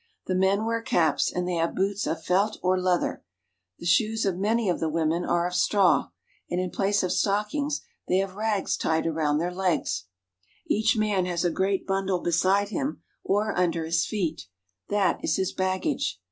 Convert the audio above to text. The men wear caps, and they have boots of felt or leather ; the shoes of many of the GENERAL VIEW OF RUSSIA. 3*9 women are of straw, and in place of stockings they have rags tied around their legs. Each man has a great bundle beside him or under his feet ; that is his baggage.